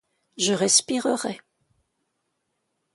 Je respirerai.